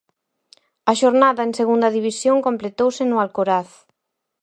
A xornada en Segunda División completouse no Alcoraz.